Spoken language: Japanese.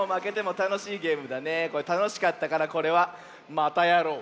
これたのしかったからこれはまたやろう！